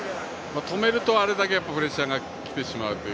止めるとあれだけプレッシャーが来てしまうという。